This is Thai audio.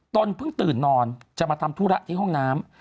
เพิ่งตื่นนอนจะมาทำธุระที่ห้องน้ำ